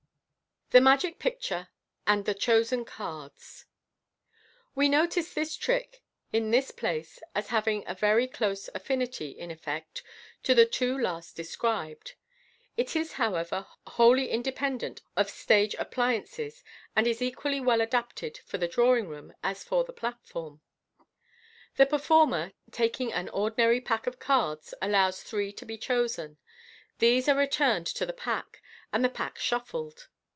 The Magic Picture and the Chosen Cards. — We notice this trick in this place as having a very close affinity, in effect, to the two last described. It is, however, wholly independent of stage appliances, and is equally well adapted for the drawing room as for the platform. The performer, taking an ordinary pack of cards, allows three to be chosen. These are returned to the pack, and the pack shuffled.